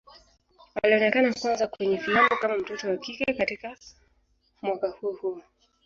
Alionekana kwanza kwenye filamu kama mtoto wa kike katika mwaka huo huo.